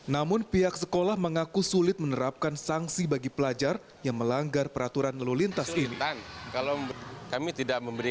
namun pihak sekolah mengaku sulit menerapkan sanksi bagi pelajar yang melanggar peraturan lalu lintas ini